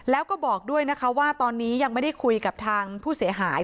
แล้วก็บอกด้วยนะคะว่าตอนนี้ยังไม่ได้คุยกับทางผู้เสียหาย